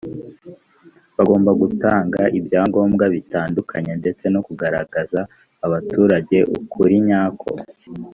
bagomba gutanga ibyangombwa bitandukanye ndetse no kugaragariza abaturage ukurinyako.